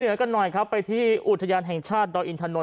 กันหน่อยครับไปที่อุทยานแห่งชาติดอยอินทนนท